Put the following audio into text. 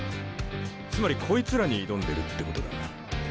つまりこいつらに挑んでるってことだ。